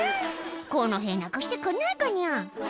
「この塀なくしてくんないかニャ」